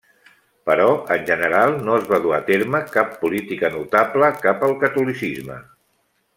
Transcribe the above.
Però, en general, no es va dur a terme cap política notable cap al catolicisme.